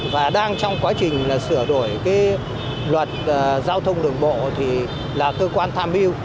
và đang trong quá trình sửa đổi luật giao thông đường bộ là cơ quan tham hiu